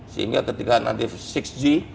sehingga ketika nanti enam g